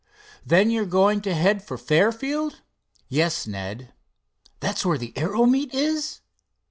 Then you're going to head for Fairfield?" "Yes, Ned." "That's where the aero meet is?"